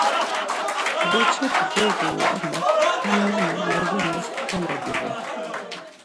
Beçeti doğuru ama ham nena Lazonas tkvala divu.